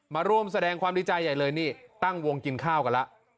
มาร่วมแสดงความดีใจใหญ่เลยนี่ตั้งวงกินข้าวกันแล้ว